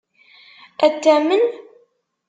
Ad t-tamen?